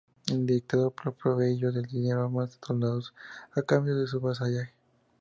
El dictador le proveyó de dinero, armas y soldados a cambio de su vasallaje.